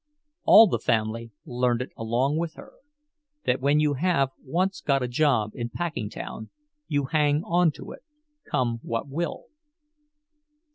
All the family learned it along with her—that when you have once got a job in Packingtown, you hang on to it, come what will.